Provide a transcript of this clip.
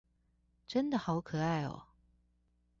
真的好可愛喔